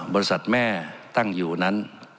บริษัทแม่ตั้งอยู่นั้น